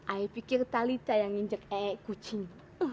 aku pikir tali saya yang menjunjuk buah kucing